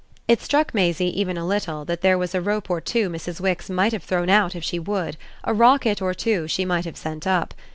It struck Maisie even a little that there was a rope or two Mrs. Wix might have thrown out if she would, a rocket or two she might have sent up.